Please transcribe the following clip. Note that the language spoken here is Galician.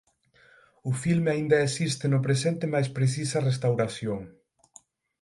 O filme aínda existe no presente mais precisa restauración.